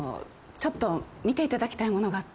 ちょっと見ていただきたいものがあって。